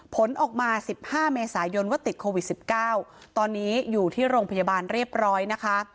ผลออกมา๑๕เมษายนว่าติดโควิด๑๙ตอนนี้อยู่ที่โรงพยาบาลเรียบร้อยนะคะ